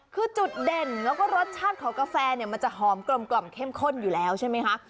คือจุดเด่นแล้วก็รสชาติของกาแฟเนี่ยมันจะหอมกลมเข้มข้นอยู่แล้วใช่ไหมคะ